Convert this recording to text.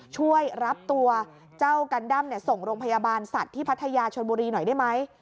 ช่วยรับตัวเจ้ากันด้ำส่งโรงพยาบาลสัตว์ที่พัทยาชนบุรีหน่อยได้ไหม